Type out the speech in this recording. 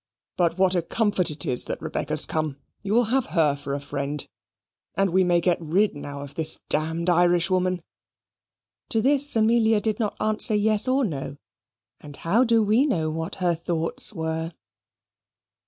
"But what a comfort it is that Rebecca's come: you will have her for a friend, and we may get rid now of this damn'd Irishwoman." To this Amelia did not answer, yes or no: and how do we know what her thoughts were?